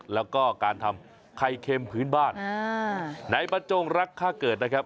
แล้วก็การทำไข่เค็มพื้นบ้านไหนบรรจงรักค่าเกิดนะครับ